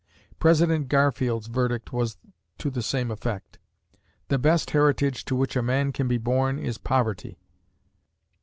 President Garfield's verdict was to the same effect, "The best heritage to which a man can be born is poverty."